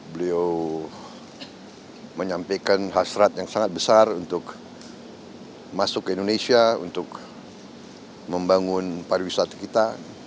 beliau menyampaikan hasrat yang sangat besar untuk masuk ke indonesia untuk membangun pariwisata kita